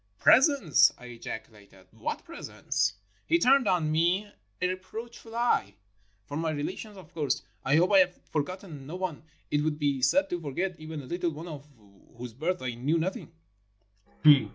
'' Presents !" I ejaculated .'' What presents ?'' He turned on me a reproachful eye. " For my relations, of course; I hope I have forgotten no one; it would be sad to forget even a little one of whose birth I knew nothing."